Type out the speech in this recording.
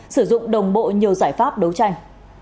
sử dụng đồng bộ nhiều giải pháp đấu tranh